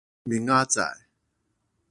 明仔載